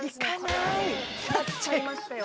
止まっちゃいましたよね